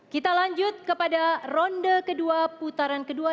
kita lanjut kepada ronde kedua putaran kedua